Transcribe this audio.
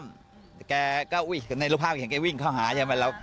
แต่แกก็อุ๊ยรูปภาพเห็นไงวิ่งเข้าหาใช่ไหม